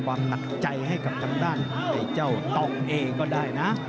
หนักใจให้กับทางด้านไอ้เจ้าตองเองก็ได้นะ